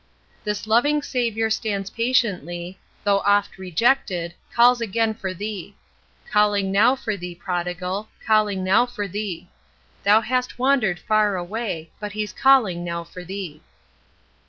"This loving Savior stands patiently Though oft rejected, Calls again for thee. Calling now for thee, prodigal, Calling now for thee; Thou hast wandered far away, But he's calling now for thee."